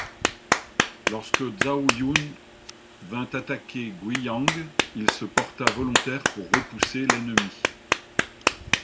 Lorsque Zhao Yun vint attaquer Guiyang, il se porta volontaire pour repousser l’ennemi.